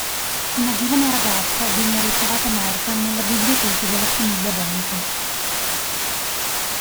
Una giovane ragazza viene ritrovata morta nella biblioteca della famiglia Bantry.